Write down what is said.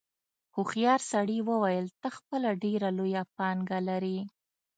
هوښیار سړي وویل ته خپله ډېره لویه پانګه لرې.